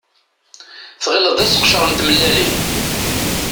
Tɣileḍ d seqcer n tmellalin.